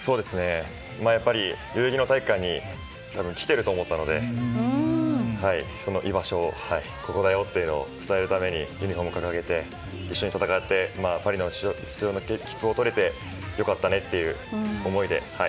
やっぱり代々木の体育館に来てると思ったのでその居場所をここだよというのを伝えるためにユニホームを掲げて一緒に戦ってパリの出場の切符が取れて良かったねっていう思いで。